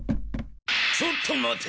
ちょっと待て。